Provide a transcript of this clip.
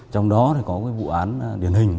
trong đó thì có cái vụ án điển hình